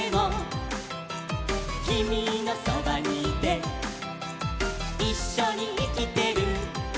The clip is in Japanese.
「きみのそばにいていっしょにいきてる」